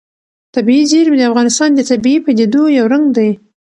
طبیعي زیرمې د افغانستان د طبیعي پدیدو یو رنګ دی.